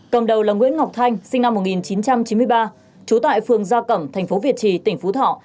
cầm đầu là nguyễn ngọc thanh sinh năm một nghìn chín trăm chín mươi ba trú tại phường gia cẩm thành phố việt trì tỉnh phú thọ